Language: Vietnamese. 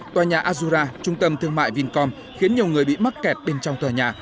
tòa nhà azura trung tâm thương mại vincom khiến nhiều người bị mắc kẹt bên trong tòa nhà